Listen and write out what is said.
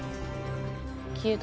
消えた。